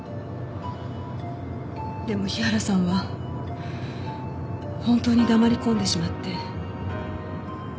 でも日原さんは本当に黙り込んでしまって。